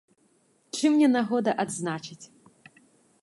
Чым не нагода адзначыць!